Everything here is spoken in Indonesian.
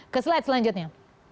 ke slide selanjutnya